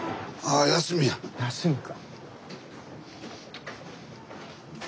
休みか。